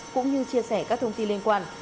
cũng như chia sẻ các thông tin liên quan